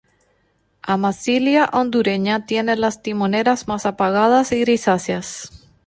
Amazilia hondureña tiene las timoneras más apagadas y grisáceas.